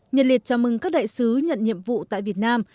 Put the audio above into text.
nhật liệt chào mừng các đại sứ nhận nhiệm vụ tại việt nam